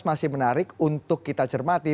masih menarik untuk kita cermati